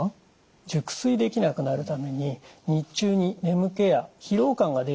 熟睡できなくなるために日中に眠気や疲労感が出やすくなります。